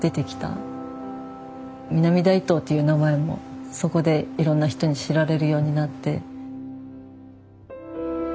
南大東っていう名前もそこでいろんな人に知られるようになって。